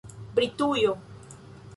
Britujo